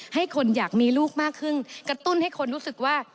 ให้คนอยากมีลูกมากขึ้นกระตุ้นให้คนรู้สึกว่า